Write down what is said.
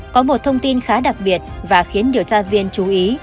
có một thông tin khá đặc biệt và khiến điều tra viên chú ý